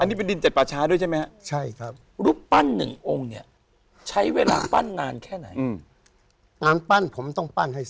อันนี้เป็นดินเจ็ดป่าช้าด้วยใช่ไหมฮะ